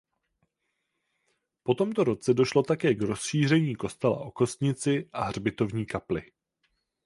Po tomto roce došlo také k rozšíření kostela o kostnici a hřbitovní kapli.